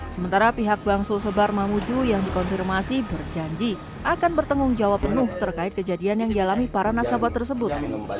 sementara pihak bang sulsebar mamuju yang dikonfirmasi berjanji akan bertanggung jawab penuh terkait kejadian yang dialami para nasabah tersebut